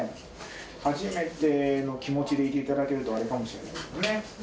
初めての気持ちでいていただけると、あれかもしれないですね。